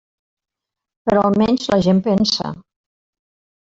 Però almenys la gent pensa.